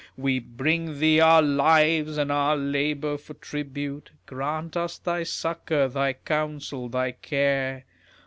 We bring thee our lives and our labours for tribute, Grant us thy succour, thy counsel, thy care.